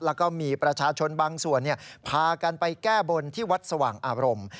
แล้วก็มีประชาชนบางส่วนพากันไปแก้บนที่วัดสว่างอารมณ์